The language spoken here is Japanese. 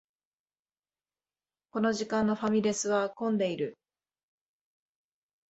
この時間のファミレスは混んでいる